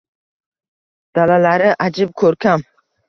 Dalalari ajib ko‘rkam